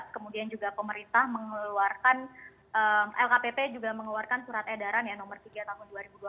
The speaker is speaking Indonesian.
kemudian juga pemerintah mengeluarkan lkpp juga mengeluarkan surat edaran ya nomor tiga tahun dua ribu dua puluh